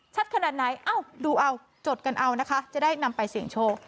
ขนาดไหนเอ้าดูเอาจดกันเอานะคะจะได้นำไปเสี่ยงโชค